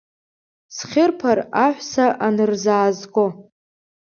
Схьырԥар аҳәса анырзаазго?